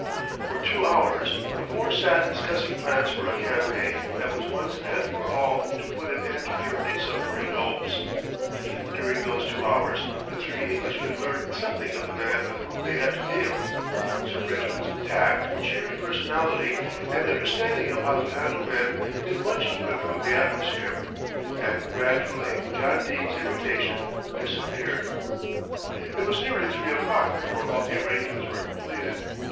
For two hours the four sat discussing plans for a campaign that was once and for all to put an end to Germany's submarine hopes. During those two hours the three Englishmen learned something of the man with whom they had to deal. Sir Bridgman's tact, cheery personality and understanding of how to handle men did much to improve the atmosphere, and gradually John Dene's irritation disappeared. It was nearly three o'clock before all the arrangements were completed.